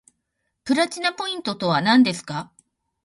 プラチナポイントとはなんですか